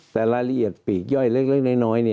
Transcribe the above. แต่รายละเอียดปีกย่อยเล็กน้อย